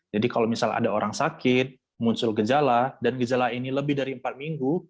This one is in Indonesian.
jadi kalau misalnya ada orang sakit muncul gejala dan gejala ini lebih dari empat minggu